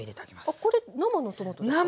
あっこれ生のトマトですか？